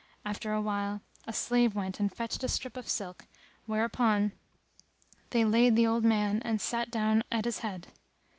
After awhile a slave went and fetched a strip of silk whereupon they lay the old man and sat down at his head.